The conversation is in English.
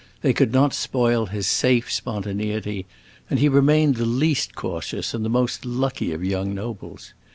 They could not spoil his safe spontaneity, and he remained the least cautious and the most lucky of young nobles.